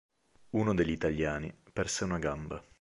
Uno degli italiani perse una gamba.